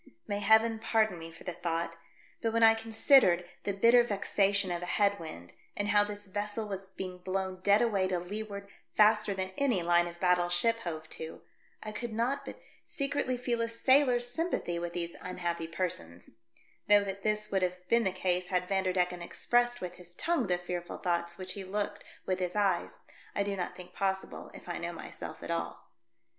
May Heaven pardon me for the thought, but when I con sidered the bitter vexation of a head wind, and how this vessel was being blown dead away to leeward faster than any line of battle ship hove to, I could not but secretly feel a sailor's sympathy with these unhappy persons, though that this would have been the case had Vanderdecken expressed with his tongue the fearful thoughts which he looked with his eyes I do not think possible, if I know myself at all.